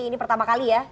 ini pertama kali ya